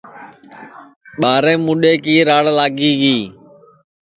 ٻاریں مُڈَیں کی راڑ لاگی گی